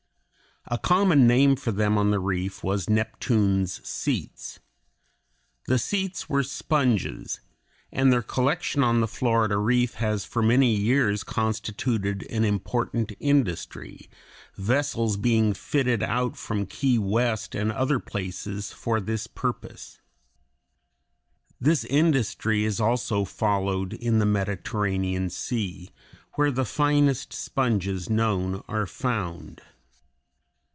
A common name for them on the reef was "Neptune's Seats." The seats were sponges, and their collection on the Florida reef has for many years constituted an important industry, vessels being fitted out from Key West and other places for this purpose. This industry is also followed in the Mediterranean Sea, where the finest sponges known are found.